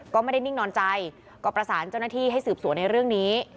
ก็ไม่ได้นิ่งนอนใจก็ประสานเจ้าหน้าที่ให้สืบสวนในเรื่องนี้